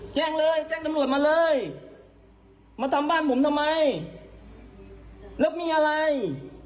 แจ้งเลยแจ้งตำรวจมาเลยมาทำบ้านผมทำไมแล้วมีอะไร